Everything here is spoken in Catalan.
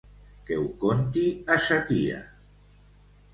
Que ho conti a sa tia.